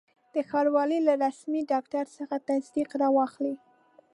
د ښاروالي له رسمي ډاکټر څخه تصدیق را واخلئ.